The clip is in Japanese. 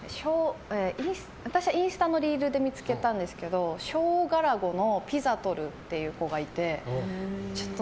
私はインスタのリールで見つけたんですけどショウガラゴのピザトルっていう子がいて。